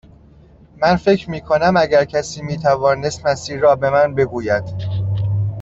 من فکر می کنم اگر کسی می توانست مسیر را به من بگوید.